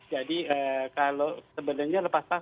jadi kalau sebenarnya lepas lepas